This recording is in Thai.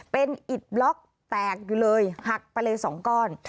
เป็นอิดบล็อกแตกอยู่เลยหักไปเลย๒ก้อน